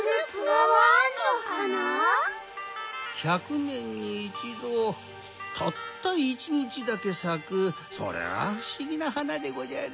１００ねんにいちどたったいちにちだけさくそれはふしぎな花でごじゃる。